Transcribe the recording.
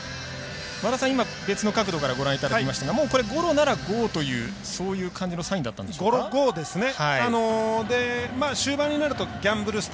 和田さん、別の角度からご覧いただきましたがこれはゴロならゴーというそういう感じのサインでしたかね。